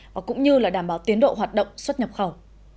và cũng như là đảm bảo tiến độ hoạt động xuất nhập khẩu